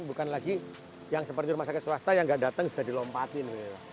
bukan lagi yang seperti rumah sakit swasta yang nggak datang sudah dilompatin